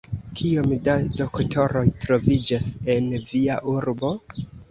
Kiom da doktoroj troviĝas en via urbo?